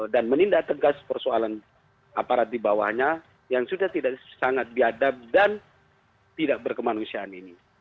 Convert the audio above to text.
dan menindak tegas persoalan aparat di bawahnya yang sudah tidak sangat diadab dan tidak berkemanusiaan ini